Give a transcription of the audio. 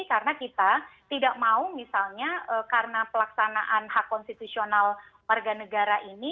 karena kita tidak mau misalnya karena pelaksanaan hak konstitusional warga negara ini